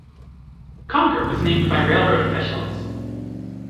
Conger was named by railroad officials.